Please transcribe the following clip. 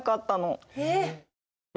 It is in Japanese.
えっ！